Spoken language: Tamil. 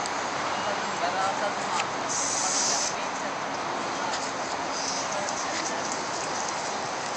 வந்ததும் வராததுமாக அவளை வரவேற்றது மாமியாரோ உறவினரோ அல்லள்.